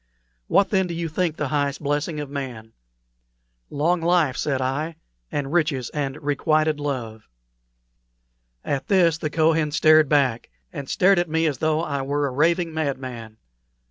What, then, do you think the highest blessing of man?" "Long life," said I, "and riches and requited love." At this the Kohen started back, and stared at me as though I were a raving madman.